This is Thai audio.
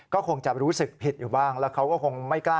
ก็คงจะรู้สึกผิดอยู่บ้างแล้วเขาก็คงไม่กล้า